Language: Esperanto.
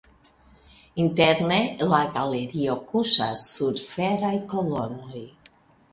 Interne la galerio kuŝas sur feraj kolonoj.